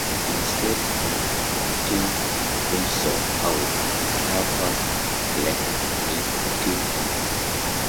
Instead of reporting to Windsor, however, Draper elected to play for the Team Canada.